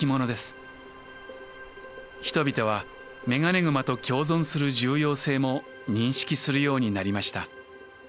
人々はメガネグマと共存する重要性も認識するようになりました。